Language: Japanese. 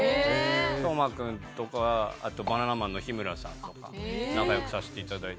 斗真君とかあとバナナマンの日村さんとか仲良くさせて頂いてて。